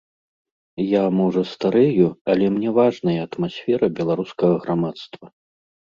Я, можа, старэю, але мне важная атмасфера беларускага грамадства.